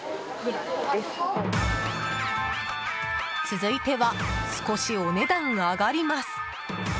続いては少しお値段上がります。